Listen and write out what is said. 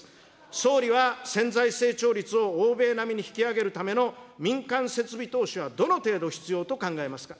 総理は潜在成長率を欧米並みに引き上げるための民間設備投資はどの程度必要と考えますか。